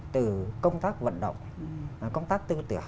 từ công tác vận động công tác tư tửa